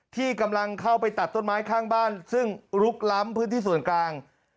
ที่กำลังเข้าไปตัดต้นไม้ข้างบ้านซึ่งลุกล้ำพื้นที่ส่วนกลาง